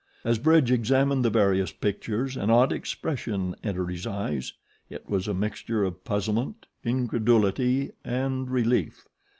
As Bridge examined the various pictures an odd expression entered his eyes it was a mixture of puzzlement, incredulity, and relief.